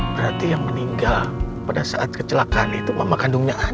berarti yang meninggal pada saat kecelakaan itu mama kandungnya ada